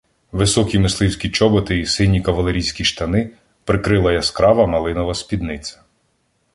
Високі мисливські чоботи і сині кавалерійські штани прикрила яскрава малинова спідниця.